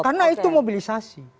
karena itu mobilisasi